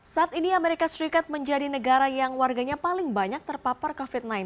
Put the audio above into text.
saat ini amerika serikat menjadi negara yang warganya paling banyak terpapar covid sembilan belas